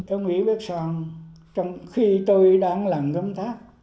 ông nguyễn bắc son trong khi tôi đang làm cấm thác